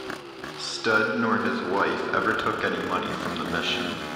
Studd nor his wife ever took any money from the mission.